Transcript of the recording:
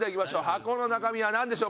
箱の中身はなんでしょう？